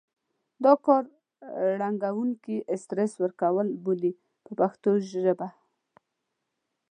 دا کار رنګوونکي استر ورکول بولي په پښتو ژبه.